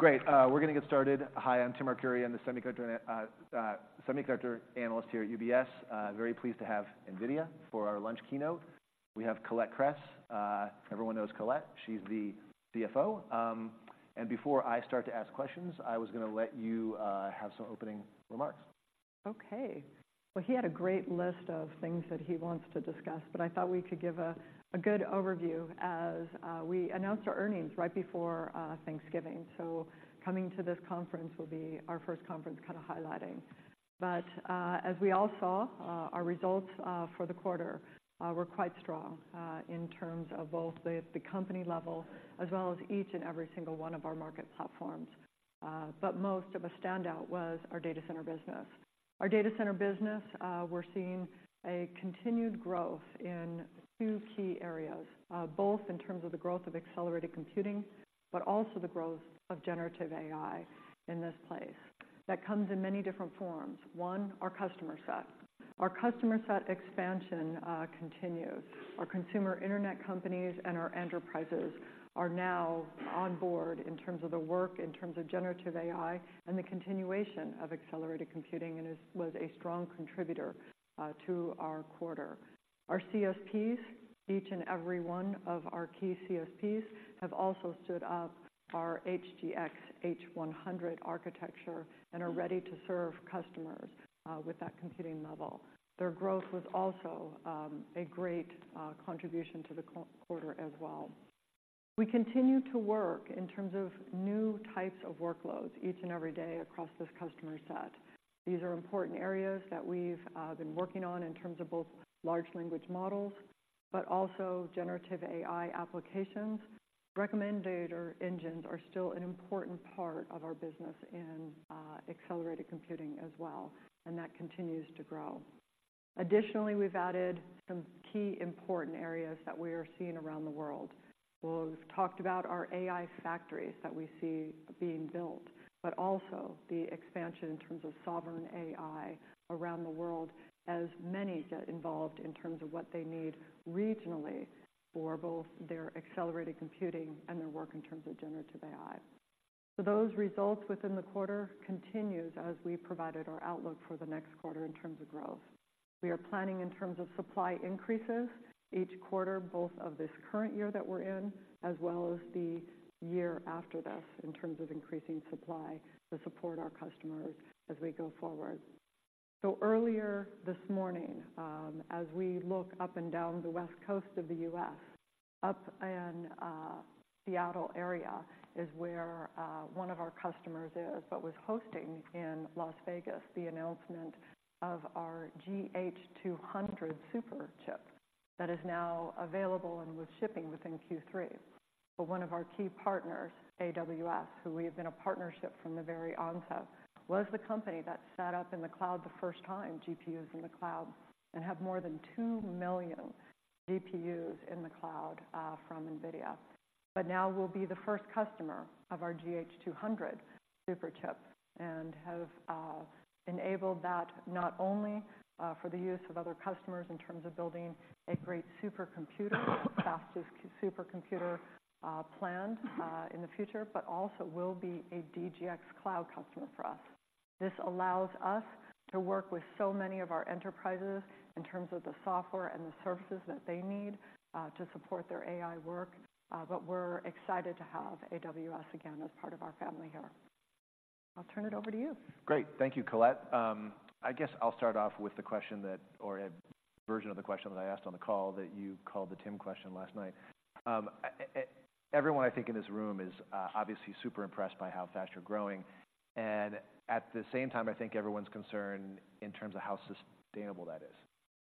Great, we're gonna get started. Hi, I'm Timothy Arcuri. I'm the semiconductor analyst here at UBS. Very pleased to have NVIDIA for our lunch keynote. We have Colette Kress. Everyone knows Colette. She's the CFO. And before I start to ask questions, I was gonna let you have some opening remarks. Okay. Well, he had a great list of things that he wants to discuss, but I thought we could give a good overview as we announced our earnings right before Thanksgiving. So coming to this conference will be our first conference kind of highlighting. But as we all saw, our results for the quarter were quite strong in terms of both the company level, as well as each and every single one of our market platforms. But most of a standout was our data center business. Our data center business, we're seeing a continued growth in two key areas, both in terms of the growth of accelerated computing, but also the growth of generative AI in this place. That comes in many different forms. One, our customer set. Our customer set expansion continues. Our consumer internet companies and our enterprises are now on board in terms of the work, in terms of generative AI, and the continuation of accelerated computing, and was a strong contributor to our quarter. Our CSPs, each and every one of our key CSPs, have also stood up our HGX H100 architecture and are ready to serve customers with that computing level. Their growth was also a great contribution to the quarter as well. We continue to work in terms of new types of workloads each and every day across this customer set. These are important areas that we've been working on in terms of both large language models, but also generative AI applications. Recommender engines are still an important part of our business in accelerated computing as well, and that continues to grow. Additionally, we've added some key important areas that we are seeing around the world. We've talked about our AI factories that we see being built, but also the expansion in terms of sovereign AI around the world, as many get involved in terms of what they need regionally for both their accelerated computing and their work in terms of generative AI. So those results within the quarter continued as we provided our outlook for the next quarter in terms of growth. We are planning in terms of supply increases each quarter, both of this current year that we're in, as well as the year after this, in terms of increasing supply to support our customers as we go forward. Earlier this morning, as we look up and down the West Coast of the U.S., up in the Seattle area is where one of our customers is, but was hosting in Las Vegas the announcement of our GH200 Superchip that is now available and with shipping within Q3. But one of our key partners, AWS, who we have been a partnership from the very onset, was the company that set up in the cloud the first time, GPUs in the cloud, and have more than 2 million GPUs in the cloud from NVIDIA. But now will be the first customer of our GH200 Superchip and have enabled that not only for the use of other customers in terms of building a great supercomputer, the fastest supercomputer planned in the future, but also will be a DGX Cloud customer for us. This allows us to work with so many of our enterprises in terms of the software and the services that they need, to support their AI work. But we're excited to have AWS again as part of our family here. I'll turn it over to you. Great. Thank you, Colette. I guess I'll start off with the question that or a version of the question that I asked on the call, that you called the Tim question last night. Everyone I think in this room is, obviously super impressed by how fast you're growing, and at the same time, I think everyone's concerned in terms of how sustainable that is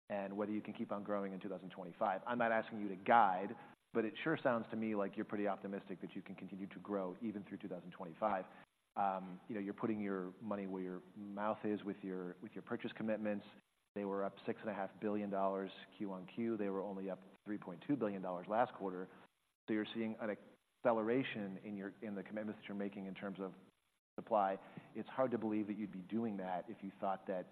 and whether you can keep on growing in 2025. I'm not asking you to guide, but it sure sounds to me like you're pretty optimistic that you can continue to grow even through 2025. You know, you're putting your money where your mouth is with your, with your purchase commitments. They were up $6.5 billion Q-on-Q. They were only up $3.2 billion last quarter. So you're seeing an acceleration in the commitments that you're making in terms of supply. It's hard to believe that you'd be doing that if you thought that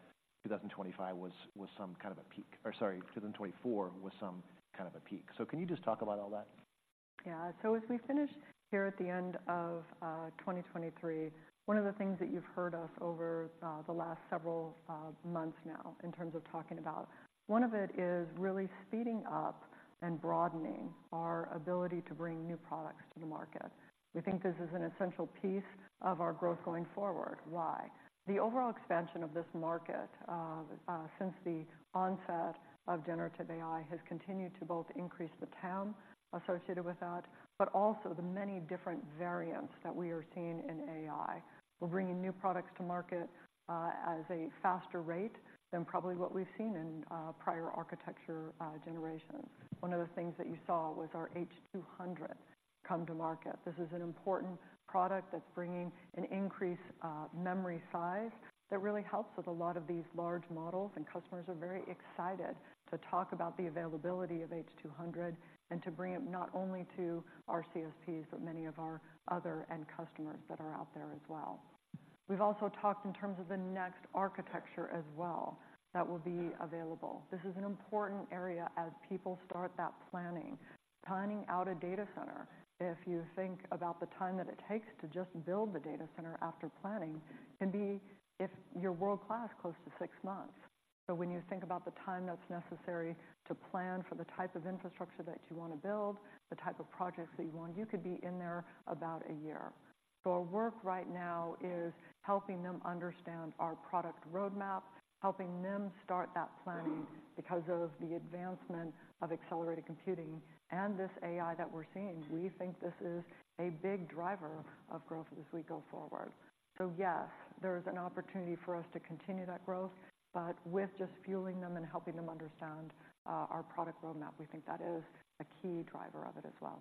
2025 was some kind of a peak, or sorry, 2024 was some kind of a peak. So can you just talk about all that? Yeah. So as we finish here at the end of 2023, one of the things that you've heard us over the last several months now in terms of talking about, one of it is really speeding up and broadening our ability to bring new products to the market. We think this is an essential piece of our growth going forward. Why? The overall expansion of this market since the onset of generative AI has continued to both increase the TAM associated with that, but also the many different variants that we are seeing in AI. We're bringing new products to market at a faster rate than probably what we've seen in prior architecture generations. One of the things that you saw was our H200 come to market. This is an important product that's bringing an increased memory size that really helps with a lot of these large models, and customers are very excited to talk about the availability of H200 and to bring it not only to our CSPs, but many of our other end customers that are out there as well. We've also talked in terms of the next architecture as well, that will be available. This is an important area as people start that planning. Planning out a data center, if you think about the time that it takes to just build the data center after planning, can be, if you're world-class, close to six months. So when you think about the time that's necessary to plan for the type of infrastructure that you want to build, the type of projects that you want, you could be in there about a year. So our work right now is helping them understand our product roadmap, helping them start that planning because of the advancement of accelerated computing and this AI that we're seeing. We think this is a big driver of growth as we go forward. So yes, there is an opportunity for us to continue that growth, but with just fueling them and helping them understand our product roadmap, we think that is a key driver of it as well.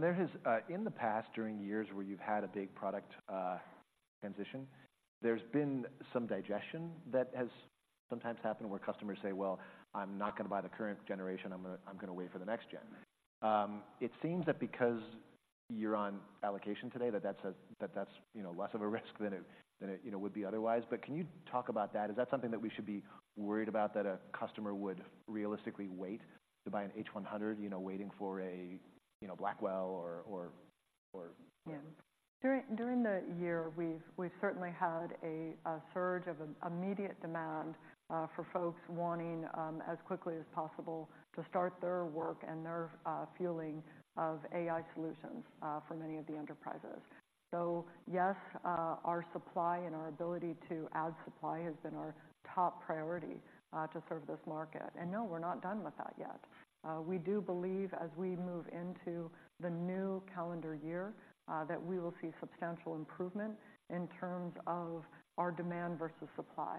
There has, in the past, during years where you've had a big product transition, there's been some digestion that has sometimes happened where customers say, "Well, I'm not going to buy the current generation. I'm gonna wait for the next gen." It seems that because you're on allocation today, that's, you know, less of a risk than it, you know, would be otherwise. But can you talk about that? Is that something that we should be worried about, that a customer would realistically wait to buy an H100, you know, waiting for a Blackwell or? Yeah. During the year, we've certainly had a surge of an immediate demand for folks wanting as quickly as possible to start their work and their fueling of AI solutions for many of the enterprises. So yes, our supply and our ability to add supply has been our top priority to serve this market. And no, we're not done with that yet. We do believe, as we move into the new calendar year, that we will see substantial improvement in terms of our demand versus supply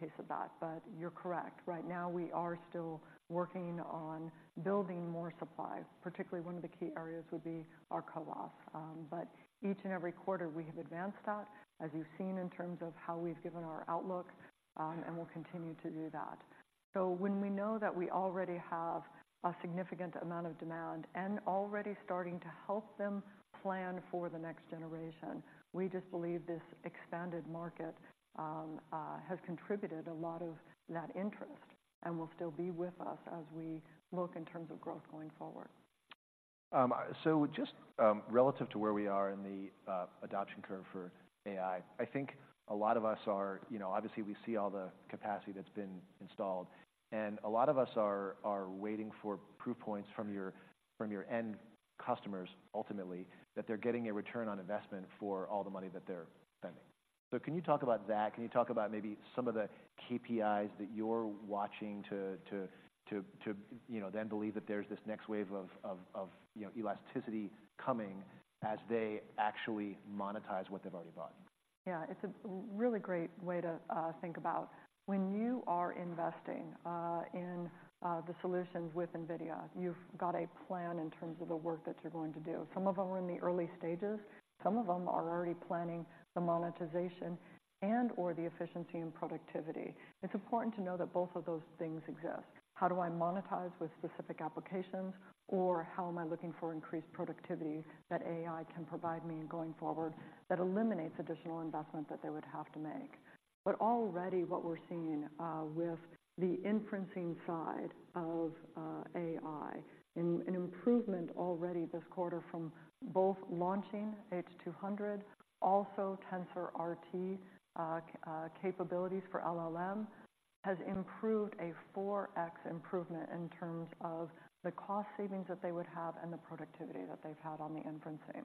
pace of that. But you're correct. Right now, we are still working on building more supply, particularly one of the key areas would be our CoWoS. But each and every quarter, we have advanced that, as you've seen in terms of how we've given our outlook, and we'll continue to do that. So when we know that we already have a significant amount of demand and already starting to help them plan for the next generation, we just believe this expanded market has contributed a lot of that interest and will still be with us as we look in terms of growth going forward. So just relative to where we are in the adoption curve for AI, I think a lot of us are, you know, obviously, we see all the capacity that's been installed, and a lot of us are waiting for proof points from your end customers, ultimately, that they're getting a return on investment for all the money that they're spending. So can you talk about that? Can you talk about maybe some of the KPIs that you're watching to, you know, then believe that there's this next wave of, you know, elasticity coming as they actually monetize what they've already bought? Yeah, it's a really great way to think about. When you are investing in the solutions with NVIDIA, you've got a plan in terms of the work that you're going to do. Some of them are in the early stages, some of them are already planning the monetization and/or the efficiency and productivity. It's important to know that both of those things exist. How do I monetize with specific applications, or how am I looking for increased productivity that AI can provide me in going forward that eliminates additional investment that they would have to make? But already, what we're seeing with the inferencing side of AI, and an improvement already this quarter from both launching H200, also TensorRT capabilities for LLM, has improved a 4x improvement in terms of the cost savings that they would have and the productivity that they've had on the inferencing.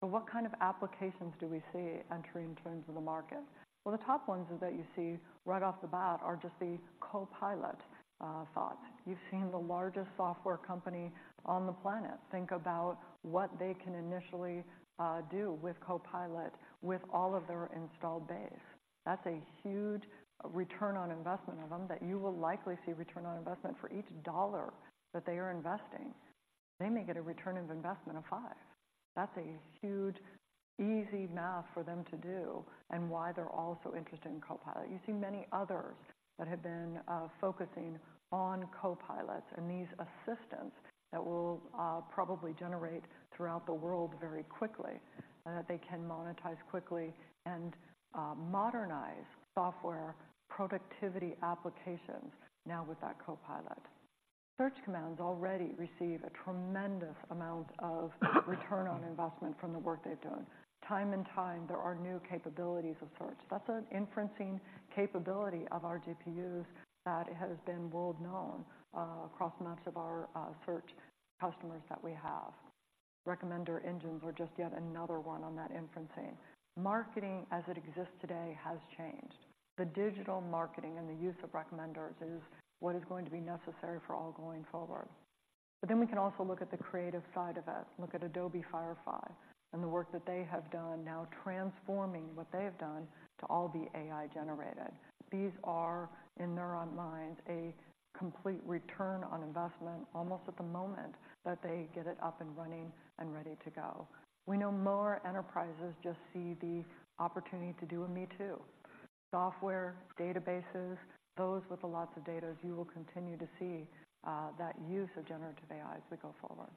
So what kind of applications do we see entering in terms of the market? Well, the top ones that you see right off the bat are just the Copilot thought. You've seen the largest software company on the planet think about what they can initially do with Copilot with all of their installed base. That's a huge return on investment of them, that you will likely see return on investment for each dollar that they are investing. They may get a return of investment of five. That's a huge, easy math for them to do and why they're all so interested in Copilot. You see many others that have been focusing on Copilots and these assistants that will probably generate throughout the world very quickly, and that they can monetize quickly and modernize software productivity applications now with that Copilot. Search commands already receive a tremendous amount of return on investment from the work they've done. Time and time, there are new capabilities of search. That's an inferencing capability of our GPUs that has been well known across much of our search customers that we have. Recommender engines are just yet another one on that inferencing. Marketing, as it exists today, has changed. The digital marketing and the use of recommenders is what is going to be necessary for all going forward. But then we can also look at the creative side of it. Look at Adobe Firefly and the work that they have done, now transforming what they have done to all be AI-generated. These are, in their own minds, a complete return on investment almost at the moment that they get it up and running and ready to go. We know more enterprises just see the opportunity to do a me too.... software, databases, those with lots of data, you will continue to see, that use of generative AI as we go forward.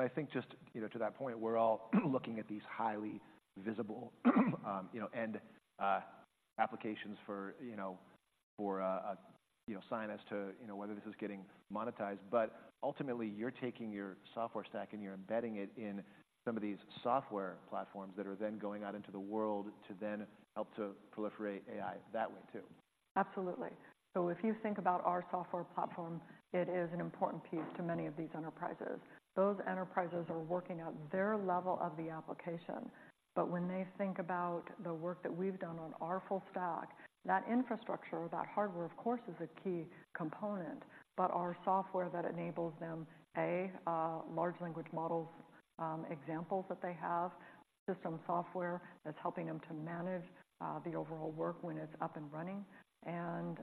I think just, you know, to that point, we're all looking at these highly visible, you know, end applications for, you know, for, you know, signs as to, you know, whether this is getting monetized. But ultimately, you're taking your software stack, and you're embedding it in some of these software platforms that are then going out into the world to then help to proliferate AI that way too. Absolutely. So if you think about our software platform, it is an important piece to many of these enterprises. Those enterprises are working out their level of the application, but when they think about the work that we've done on our full stack, that infrastructure or that hardware, of course, is a key component. But our software that enables them, large language models, examples that they have, system software that's helping them to manage the overall work when it's up and running, and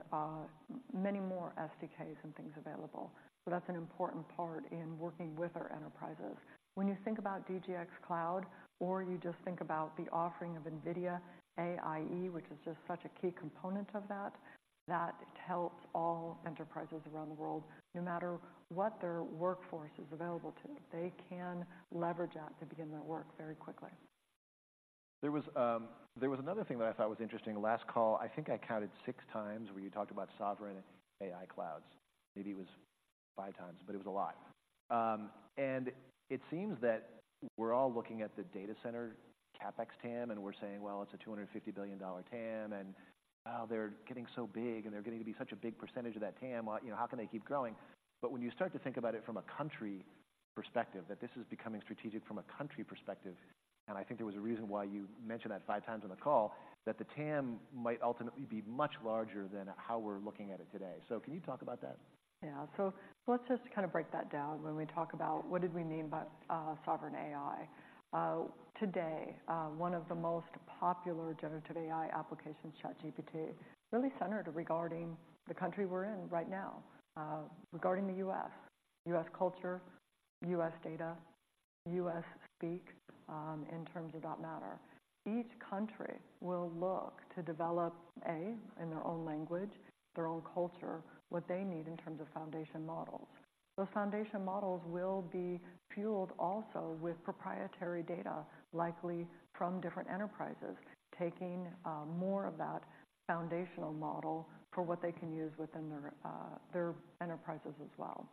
many more SDKs and things available. So that's an important part in working with our enterprises. When you think about DGX Cloud, or you just think about the offering of NVIDIA AI Enterprise, which is just such a key component of that that it helps all enterprises around the world. No matter what their workforce is available to them, they can leverage that to begin their work very quickly. There was, there was another thing that I thought was interesting. Last call, I think I counted six times where you talked about sovereign AI clouds. Maybe it was five times, but it was a lot. And it seems that we're all looking at the data center, CapEx TAM, and we're saying: Well, it's a $250 billion TAM, and, wow, they're getting so big, and they're getting to be such a big percentage of that TAM. You know, how can they keep growing? But when you start to think about it from a country perspective, that this is becoming strategic from a country perspective, and I think there was a reason why you mentioned that five times on the call, that the TAM might ultimately be much larger than how we're looking at it today. So can you talk about that? Yeah. So let's just kind of break that down when we talk about what did we mean by Sovereign AI. Today, one of the most popular generative AI applications, ChatGPT, really centered regarding the country we're in right now, regarding the U.S., U.S. culture, U.S. data, U.S. speak, in terms of that matter. Each country will look to develop in their own language, their own culture, what they need in terms of foundation models. Those foundation models will be fueled also with proprietary data, likely from different enterprises, taking more of that foundational model for what they can use within their enterprises as well.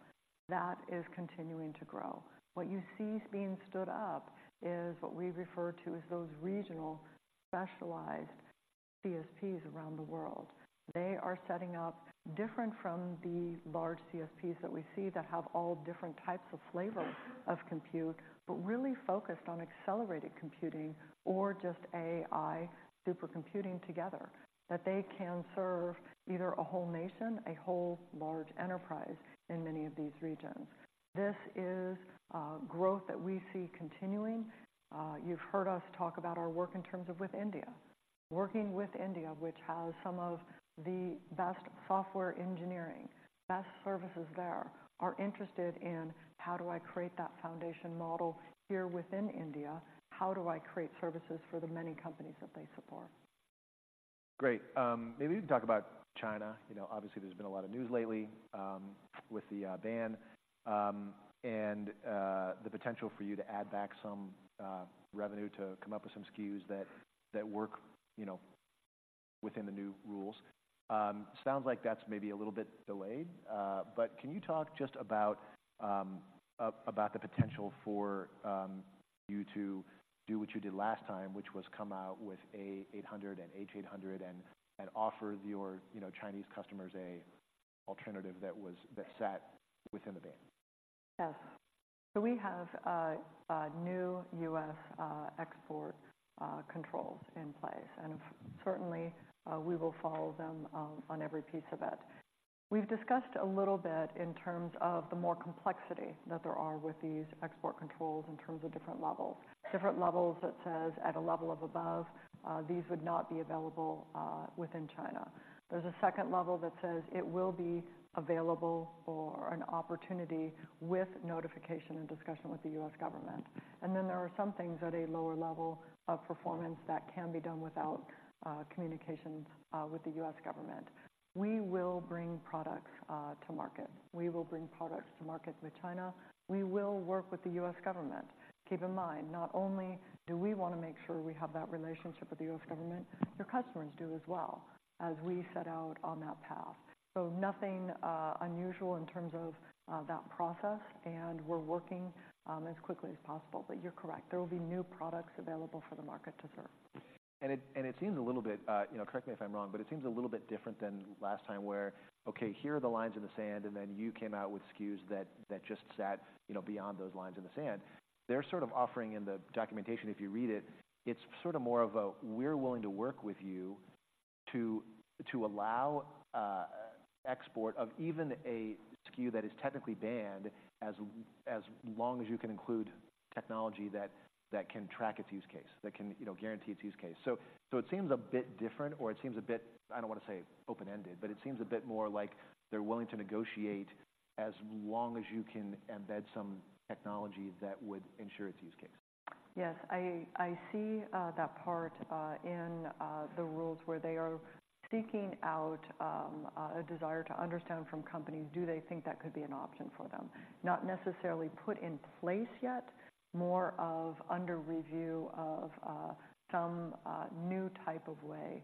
That is continuing to grow. What you see being stood up is what we refer to as those regional specialized CSPs around the world. They are setting up different from the large CSPs that we see that have all different types of flavors of compute, but really focused on accelerated computing or just AI supercomputing together, that they can serve either a whole nation, a whole large enterprise in many of these regions. This is growth that we see continuing. You've heard us talk about our work in terms of with India. Working with India, which has some of the best software engineering, best services there, are interested in: How do I create that foundation model here within India? How do I create services for the many companies that they support? Great. Maybe you can talk about China. You know, obviously, there's been a lot of news lately, with the ban, and the potential for you to add back some revenue to come up with some SKUs that work, you know, within the new rules. Sounds like that's maybe a little bit delayed, but can you talk just about the potential for you to do what you did last time, which was come out with an A800 and H800 and offer your, you know, Chinese customers an alternative that was, that sat within the ban? Yes. So we have new U.S. export controls in place, and certainly we will follow them on every piece of it. We've discussed a little bit in terms of the more complexity that there are with these export controls in terms of different levels. Different levels that says at a level of above these would not be available within China. There's a second level that says it will be available or an opportunity with notification and discussion with the U.S. government. And then there are some things at a lower level of performance that can be done without communications with the U.S. government. We will bring products to market. We will bring products to market with China. We will work with the U.S. government. Keep in mind, not only do we want to make sure we have that relationship with the U.S. government, your customers do as well, as we set out on that path. So nothing unusual in terms of that process, and we're working as quickly as possible. But you're correct, there will be new products available for the market to serve. And it seems a little bit, you know, correct me if I'm wrong, but it seems a little bit different than last time, where, okay, here are the lines in the sand, and then you came out with SKUs that just sat, you know, beyond those lines in the sand. They're sort of offering in the documentation, if you read it, it's sort of more of a, "We're willing to work with you to allow export of even a SKU that is technically banned, as long as you can include technology that can track its use case, that can, you know, guarantee its use case." So it seems a bit different, or it seems a bit, I don't want to say open-ended, but it seems a bit more like they're willing to negotiate as long as you can embed some technology that would ensure its use case.... Yes, I see that part in the rules where they are seeking out a desire to understand from companies, do they think that could be an option for them? Not necessarily put in place yet, more of under review of some new type of way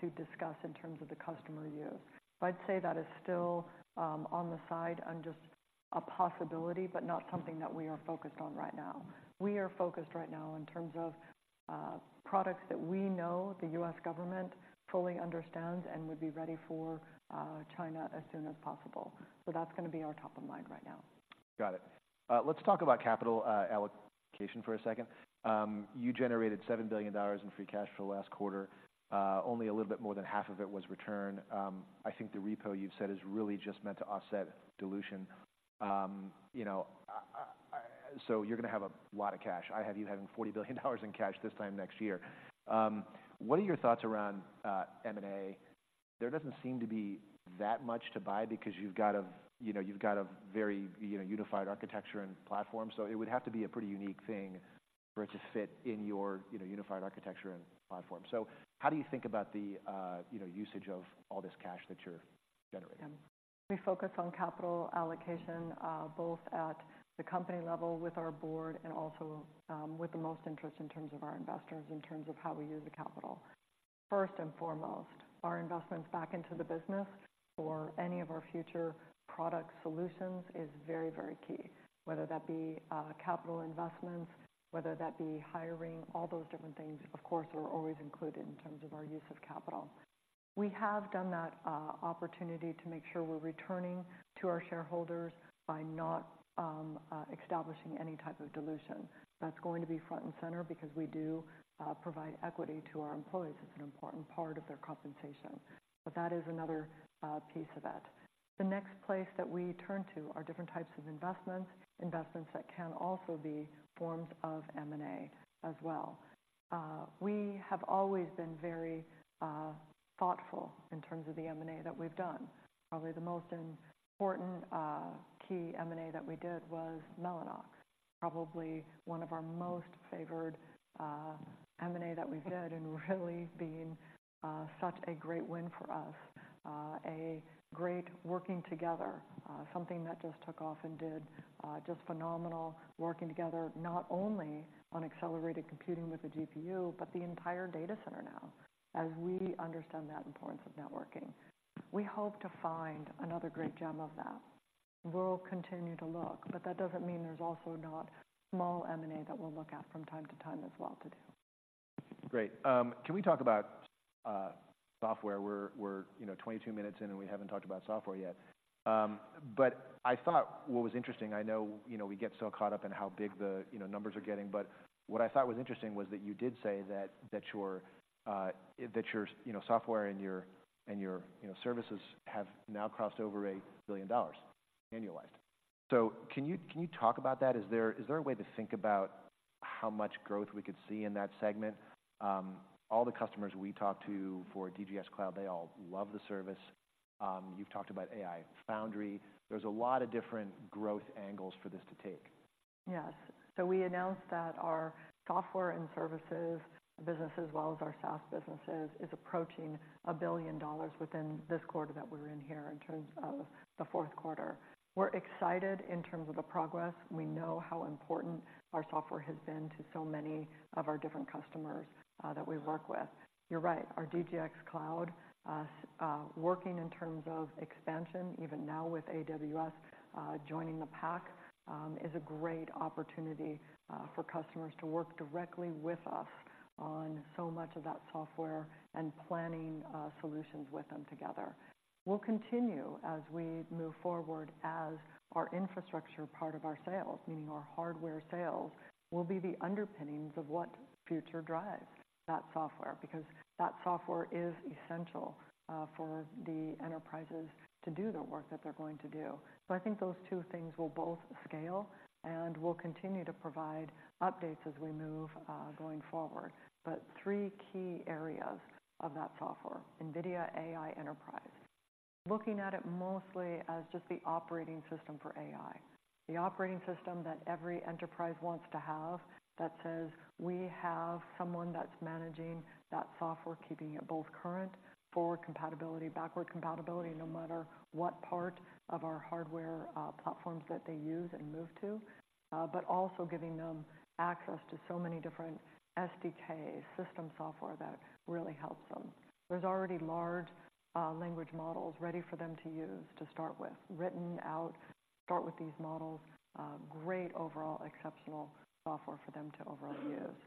to discuss in terms of the customer use. But I'd say that is still on the side and just a possibility, but not something that we are focused on right now. We are focused right now in terms of products that we know the U.S. government fully understands and would be ready for China as soon as possible. So that's gonna be our top of mind right now. Got it. Let's talk about capital allocation for a second. You generated $7 billion in free cash flow last quarter, only a little bit more than half of it was returned. I think the repo you've said is really just meant to offset dilution. You know, so you're gonna have a lot of cash. I have you having $40 billion in cash this time next year. What are your thoughts around M&A? There doesn't seem to be that much to buy because you've got a very, you know, unified architecture and platform. So it would have to be a pretty unique thing for it to fit in your, you know, unified architecture and platform. So how do you think about the, you know, usage of all this cash that you're generating? We focus on capital allocation, both at the company level with our board and also, with the most interest in terms of our investors, in terms of how we use the capital. First and foremost, our investments back into the business for any of our future product solutions is very, very key. Whether that be, capital investments, whether that be hiring, all those different things, of course, are always included in terms of our use of capital. We have that opportunity to make sure we're returning to our shareholders by not establishing any type of dilution. That's going to be front and center because we do provide equity to our employees. It's an important part of their compensation. But that is another piece of it. The next place that we turn to are different types of investments, investments that can also be forms of M&A as well. We have always been very thoughtful in terms of the M&A that we've done. Probably the most important key M&A that we did was Mellanox. Probably one of our most favored M&A that we've did and really been such a great win for us. A great working together, something that just took off and did just phenomenal, working together, not only on accelerated computing with the GPU, but the entire data center now, as we understand that importance of networking. We hope to find another great gem of that. We'll continue to look, but that doesn't mean there's also not small M&A that we'll look at from time to time as well to do. Great. Can we talk about software? We're, you know, 22 minutes in, and we haven't talked about software yet. But I thought what was interesting, I know, you know, we get so caught up in how big the, you know, numbers are getting, but what I thought was interesting was that you did say that, that your, that your, you know, software and your, and your, you know, services have now crossed over $1 billion annualized. So can you talk about that? Is there a way to think about how much growth we could see in that segment? All the customers we talk to for DGX Cloud, they all love the service. You've talked about AI Foundry. There's a lot of different growth angles for this to take. Yes. So we announced that our software and services business, as well as our SaaS businesses, is approaching $1 billion within this quarter that we're in here, in terms of the Q4. We're excited in terms of the progress. We know how important our software has been to so many of our different customers that we work with. You're right. Our DGX Cloud, working in terms of expansion, even now with AWS joining the pack, is a great opportunity for customers to work directly with us on so much of that software and planning solutions with them together. We'll continue as we move forward as our infrastructure part of our sales, meaning our hardware sales, will be the underpinnings of what future drives that software, because that software is essential, for the enterprises to do the work that they're going to do. So I think those two things will both scale, and we'll continue to provide updates as we move, going forward. But three key areas of that software, NVIDIA AI Enterprise. Looking at it mostly as just the operating system for AI, the operating system that every enterprise wants to have, that says: We have someone that's managing that software, keeping it both current, forward compatibility, backward compatibility, no matter what part of our hardware, platforms that they use and move to, but also giving them access to so many different SDKs, system software that really helps them. There's already large language models ready for them to use to start with, written out, start with these models, great overall exceptional software for them to overall use.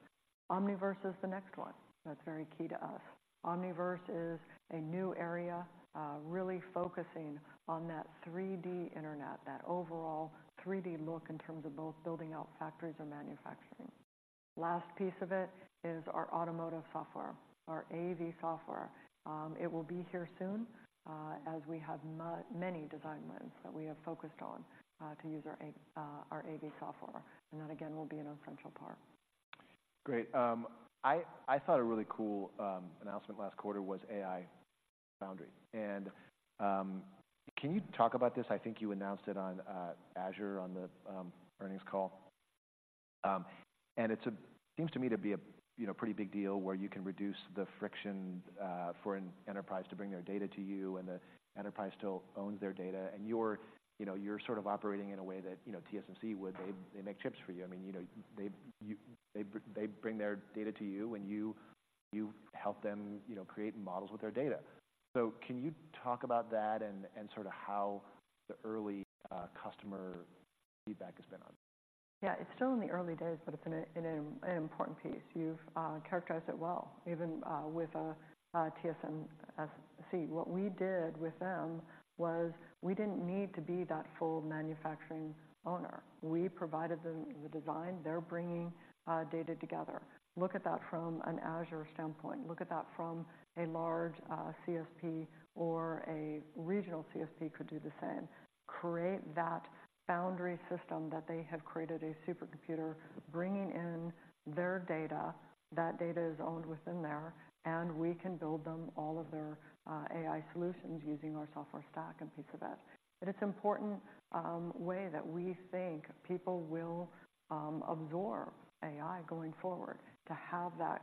Omniverse is the next one. That's very key to us. Omniverse is a new area, really focusing on that 3D internet, that overall 3D look in terms of both building out factories and manufacturing. Last piece of it is our automotive software, our AV software. It will be here soon, as we have many design wins that we have focused on, to use our AV software, and that again, will be an essential part. Great. I thought a really cool announcement last quarter was AI Foundry. And, can you talk about this? I think you announced it on Azure, on the earnings call. And it's a-- seems to me to be a, you know, pretty big deal where you can reduce the friction for an enterprise to bring their data to you, and the enterprise still owns their data. And you're, you know, you're sort of operating in a way that, you know, TSMC would. They make chips for you. I mean, you know, they bring their data to you, and you help them, you know, create models with their data. So can you talk about that and sort of how the early customer feedback has been on? Yeah, it's still in the early days, but it's an important piece. You've characterized it well, even with TSMC. What we did with them was we didn't need to be that full manufacturing owner. We provided them the design. They're bringing data together. Look at that from an Azure standpoint. Look at that from a large CSP or a regional CSP could do the same. Create that foundry system that they have created, a supercomputer, bringing in their data. That data is owned within there, and we can build them all of their AI solutions using our software stack and piece of it. But it's important way that we think people will absorb AI going forward, to have that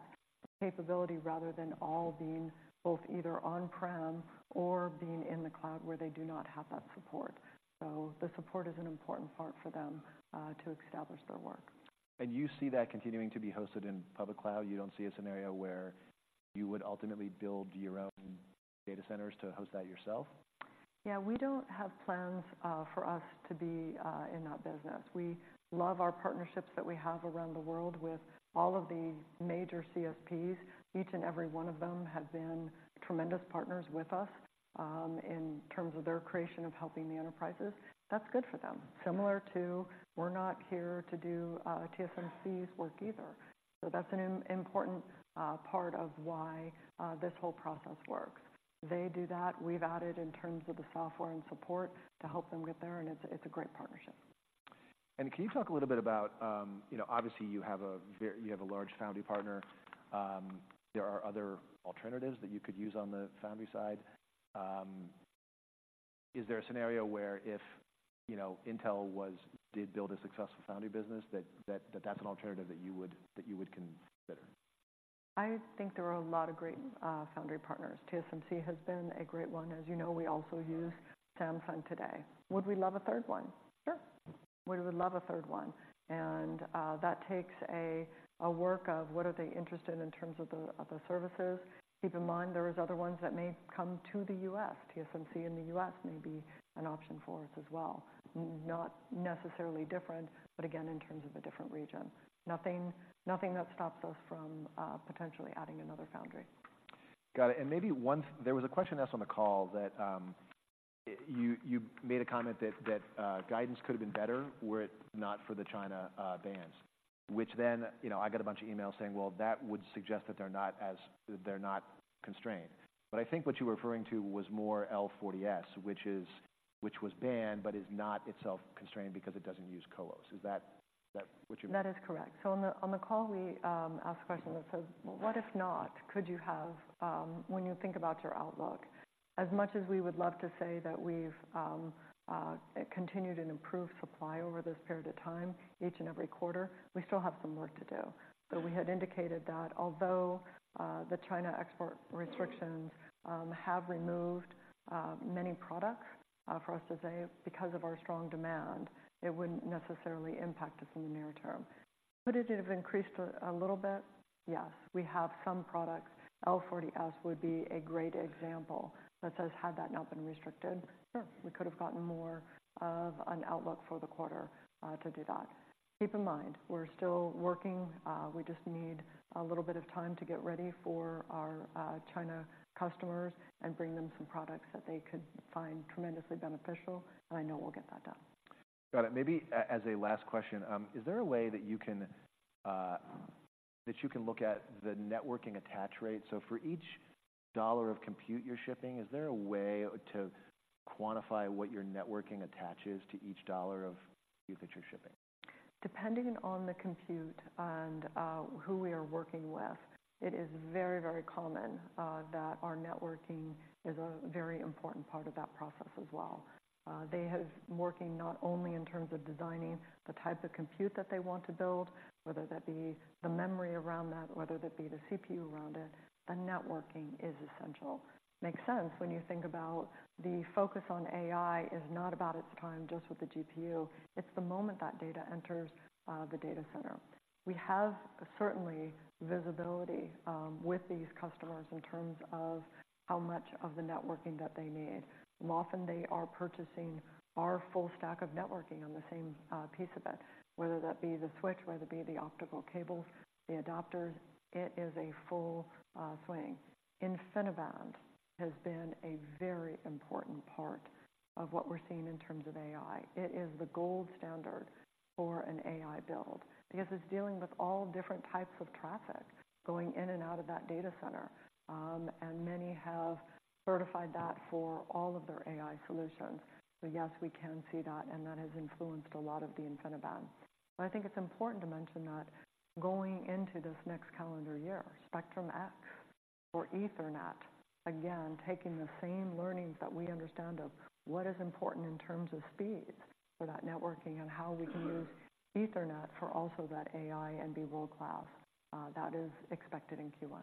capability, rather than all being both either on-prem or being in the cloud, where they do not have that support. The support is an important part for them to establish their work. You see that continuing to be hosted in public cloud? You don't see a scenario where you would ultimately build your own data centers to host that yourself? Yeah, we don't have plans for us to be in that business. We love our partnerships that we have around the world with all of the major CSPs. Each and every one of them have been tremendous partners with us in terms of their creation of helping the enterprises. That's good for them. Similar to, we're not here to do TSMC's work either. So that's an important part of why this whole process works. They do that. We've added in terms of the software and support to help them get there, and it's a great partnership. Can you talk a little bit about, you know, obviously you have a large foundry partner. There are other alternatives that you could use on the foundry side. Is there a scenario where if, you know, Intel did build a successful foundry business, that that's an alternative that you would consider? I think there are a lot of great foundry partners. TSMC has been a great one. As you know, we also use Samsung today. Would we love a third one? Sure, we would love a third one, and that takes a work of what are they interested in, in terms of the of the services. Keep in mind, there is other ones that may come to the U.S. TSMC in the U.S. may be an option for us as well. Not necessarily different, but again, in terms of a different region. Nothing, nothing that stops us from potentially adding another foundry. Got it. And maybe one... There was a question asked on the call that you made a comment that guidance could have been better were it not for the China bans. Which then, you know, I got a bunch of emails saying: Well, that would suggest that they're not as-- they're not constrained. But I think what you were referring to was more L40S, which was banned, but is not itself constrained because it doesn't use CoWoS. Is that what you mean? That is correct. So on the call, we asked a question that says: Well, what if not could you have when you think about your outlook? As much as we would love to say that we've continued an improved supply over this period of time, each and every quarter, we still have some work to do. But we had indicated that although the China export restrictions have removed many products for us to say, because of our strong demand, it wouldn't necessarily impact us in the near term. Could it have increased a little bit? Yes, we have some products. L40S would be a great example that says, had that not been restricted, sure, we could have gotten more of an outlook for the quarter to do that. Keep in mind, we're still working. We just need a little bit of time to get ready for our, China customers and bring them some products that they could find tremendously beneficial, and I know we'll get that done. Got it. Maybe as a last question, is there a way that you can look at the networking attach rate? So for each dollar of compute you're shipping, is there a way to quantify what your networking attaches to each dollar of compute that you're shipping? Depending on the compute and who we are working with, it is very, very common that our networking is a very important part of that process as well. They have working not only in terms of designing the type of compute that they want to build, whether that be the memory around that, whether that be the CPU around it, the networking is essential. Makes sense when you think about the focus on AI is not about its time just with the GPU, it's the moment that data enters the data center. We have certainly visibility with these customers in terms of how much of the networking that they need. Often, they are purchasing our full stack of networking on the same piece of it, whether that be the switch, whether it be the optical cables, the adapters, it is a full swing. InfiniBand has been a very important part of what we're seeing in terms of AI. It is the gold standard for an AI build because it's dealing with all different types of traffic going in and out of that data center. And many have certified that for all of their AI solutions. So yes, we can see that, and that has influenced a lot of the InfiniBand. But I think it's important to mention that going into this next calendar year, Spectrum-X or Ethernet, again, taking the same learnings that we understand of what is important in terms of speeds for that networking and how we can use Ethernet for also that AI and be world-class, that is expected in Q1.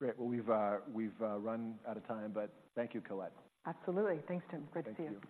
Great. Well, we've run out of time, but thank you, Colette. Absolutely. Thanks, Tim. Great to see you.